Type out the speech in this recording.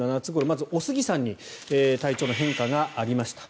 まず、おすぎさんに体調の変化がありました。